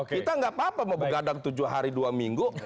kita nggak apa apa mau begadang tujuh hari dua minggu